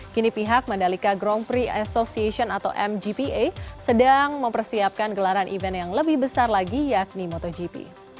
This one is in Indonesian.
kini pihak mandalika grand prix association atau mgpa sedang mempersiapkan gelaran event yang lebih besar lagi yakni motogp